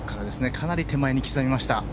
かなり手前に刻みました。